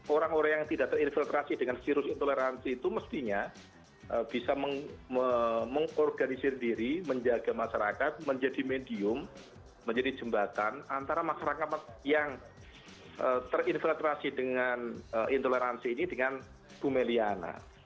orang orang yang tidak terinfiltrasi dengan virus intoleransi itu mestinya bisa mengorganisir diri menjaga masyarakat menjadi medium menjadi jembatan antara masyarakat yang terinfiltrasi dengan intoleransi ini dengan bumeliana